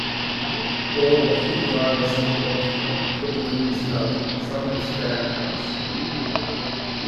All of the drivers involved took the restart; some in spare cars.